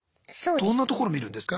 どんなところを見るんですか？